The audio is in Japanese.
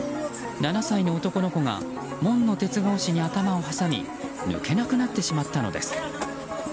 ７歳の男の子が門の鉄格子に頭を挟み抜けなくなってしまったのです。